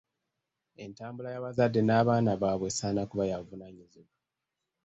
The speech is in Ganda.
Entambula y’abazadde n’abaana baabwe esaana kuba ya buvunaanyizibwa.